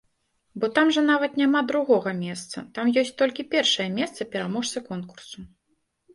Бо там жа нават няма другога месца, там ёсць толькі першае месца пераможцы конкурсу.